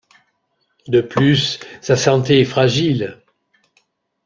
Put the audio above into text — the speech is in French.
De plus, sa santé est fragile.